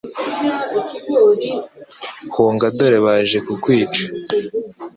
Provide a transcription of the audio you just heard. Hunga dore baje kukwica